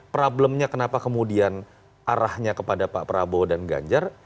problemnya kenapa kemudian arahnya kepada pak prabowo dan ganjar